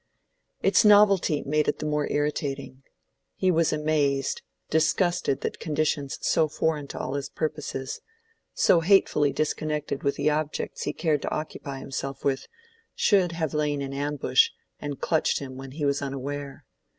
Its novelty made it the more irritating. He was amazed, disgusted that conditions so foreign to all his purposes, so hatefully disconnected with the objects he cared to occupy himself with, should have lain in ambush and clutched him when he was unaware.